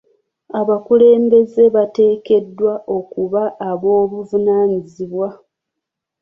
Abakulembeze bateekeddwa okuba aboobuvunaanyizibwa.